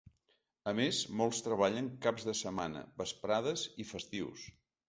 A més, molts treballen caps de setmana, vesprades i festius.